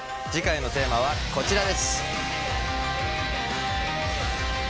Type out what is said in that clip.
次回のテーマはこちらです！